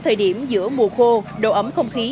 thời điểm giữa mùa khô độ ấm không khí